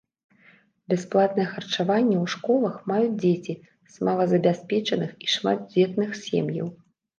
Бясплатнае харчаванне ў школах маюць дзеці з малазабяспечаных і шматдзетных сем'яў.